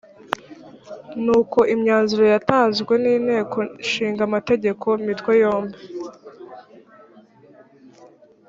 ni uko imyanzuro yatanzwe n‘inteko ishinga amategeko imitwe yombi